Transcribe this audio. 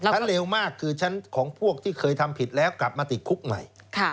เร็วมากคือชั้นของพวกที่เคยทำผิดแล้วกลับมาติดคุกใหม่